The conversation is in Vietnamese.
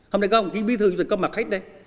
hôm nay có một ký bí thư cho tỉnh có mặt khách đây